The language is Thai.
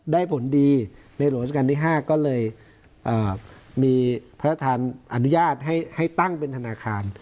ได้ผลดีในหลวงรัชกาลที่ห้าก็เลยเอ่อมีพระทานอนุญาตให้ให้ตั้งเป็นธนาคาร